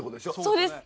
そうです。